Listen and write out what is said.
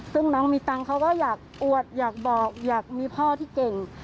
ซึ่งน้องมีตังค์เขาก็อยากอวดอยากบอกอยากมีพ่อที่เก่ง